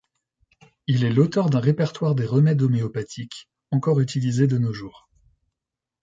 Il est l'auteur d'un répertoire des remèdes homéopathiques, encore utilisé de nos jours.